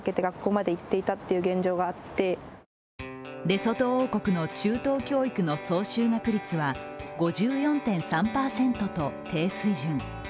レソト王国の中等教育の総就学率は５４．３％と低水準。